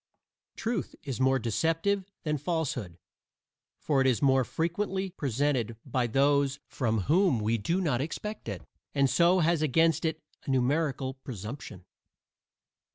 Truth is more deceptive than falsehood, for it is more frequently presented by those from whom we do not expect it, and so has against it a numerical presumption.